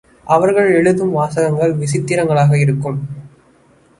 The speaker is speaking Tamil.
அவர்கள் எழுதும் வாசகங்கள் விசித்திரங்களாக இருக்கும்.